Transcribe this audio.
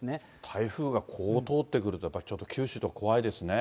台風がこう通ってくると、やっぱりちょっと九州とか怖いですね。